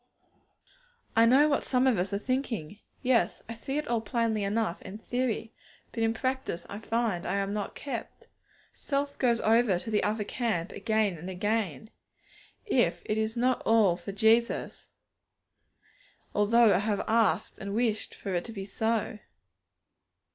I know what some of us are thinking. 'Yes; I see it all plainly enough in theory, but in practice I find I am not kept. Self goes over to the other camp again and again. If is not all for Jesus, though I have asked and wished for it to be so.'